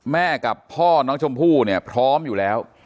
แม่กับพ่อน้องชมพู่เนี่ยพร้อมอยู่แล้ว